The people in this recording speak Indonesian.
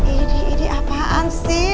edi edi apaan sih